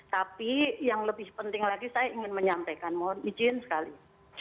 tapi yang lebih penting lagi saya ingin menyampaikan mohon izin sekali